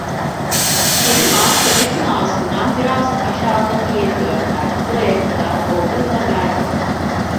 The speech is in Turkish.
Kerim Ağa sepetin ağzından biraz aşağıdaki yeri gösterdi: "Buraya kadar doldur da ver" dedi.